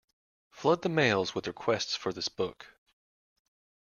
Flood the mails with requests for this book.